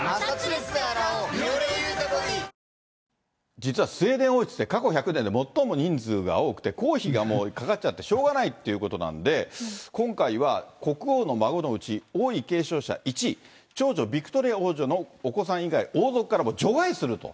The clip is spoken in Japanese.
実はスウェーデン王室って、過去１００年で最も人数が多くて公費がもうかかっちゃって、しょうがないっていうことなんで、今回は国王の孫のうち王位継承者１位、長女、ビクトリアのお子さん以外、王族から除外すると。